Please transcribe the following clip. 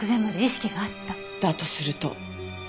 だとすると。